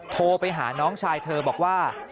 โทรไปหาน้องชายเธอบอกว่า